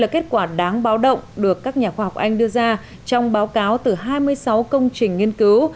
kết quả đáng báo động được các nhà khoa học anh đưa ra trong báo cáo từ hai mươi sáu công trình nghiên cứu